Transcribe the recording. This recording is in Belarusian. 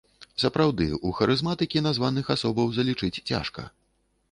Сапраўды, у харызматыкі названых асобаў залічыць цяжка.